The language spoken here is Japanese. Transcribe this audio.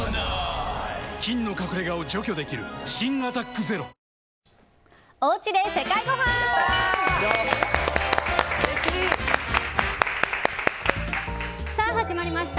菌の隠れ家を除去できる新「アタックＺＥＲＯ」さあ、始まりました。